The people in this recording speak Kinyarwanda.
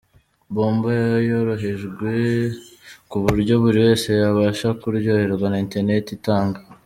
Bomba yorohejwe ku buryo buri wese yabasha kuryoherwa na interineti itanga.